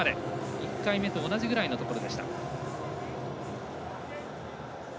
１回目と同じぐらいのところでした。